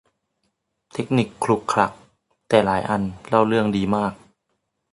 เทคนิคขลุกขลัก แต่หลายอันเล่าเรืองดีมาก